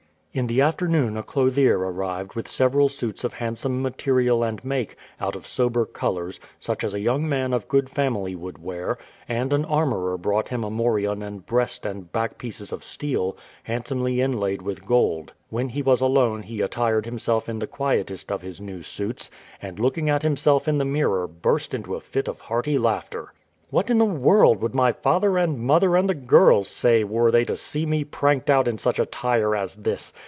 In the afternoon a clothier arrived with several suits of handsome material and make, out of sober colours, such as a young man of good family would wear, and an armourer brought him a morion and breast and back pieces of steel, handsomely inlaid with gold. When he was alone he attired himself in the quietest of his new suits, and looking at himself in the mirror burst into a fit of hearty laughter. "What in the world would my father and mother and the girls say were they to see me pranked out in such attire as this?